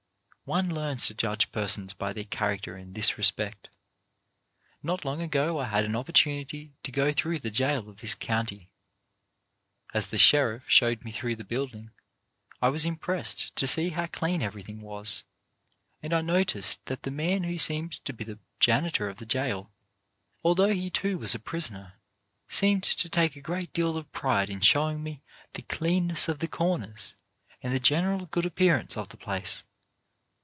One learns to judge persons by their character in this respect. Not long ago I had an oppor tunity to go through the jail of this county. As the sheriff showed me through the building I was impressed to see how clean everything was, and I noticed that the man who seemed to be the janitor of the jail, although he too was a prisoner, seemed to take a great deal of pride in showing me the cleanness of the corners and the general good ap pearance of the place.